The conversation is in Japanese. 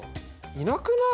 いなくない？